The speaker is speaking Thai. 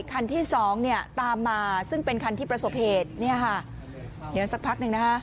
คันที่สองเนี่ยตามมาซึ่งเป็นคันที่ประสบเหตุเนี่ยค่ะเดี๋ยวสักพักหนึ่งนะฮะ